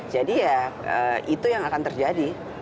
jadi ya itu yang akan terjadi